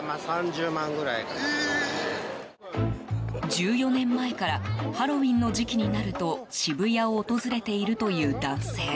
１４年前からハロウィーンの時期になると渋谷を訪れているという男性。